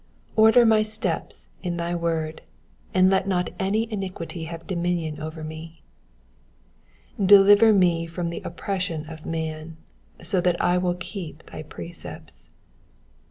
133 Order my steps in thy word : and let not any iniquity have dominion over me. 1 34 Deliver me from the oppression of man : so will I keep thy precepts.